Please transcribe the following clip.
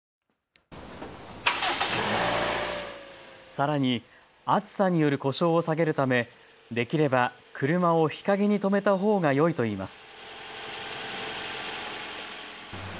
さらに暑さによる故障を避けるためできれば車を日陰に止めたほうがよいといいます。